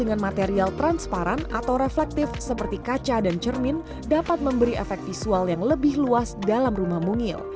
dengan material transparan atau reflektif seperti kaca dan cermin dapat memberi efek visual yang lebih luas dalam rumah mungil